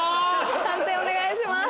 判定お願いします。